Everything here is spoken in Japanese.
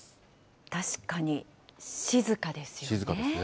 確かに静かですよね。